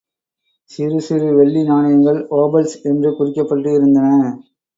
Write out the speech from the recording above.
சிறு சிறு வெள்ளி நாணயங்கள் ஒபல்ஸ் என்று குறிக்கப்பட்டிருந்தன.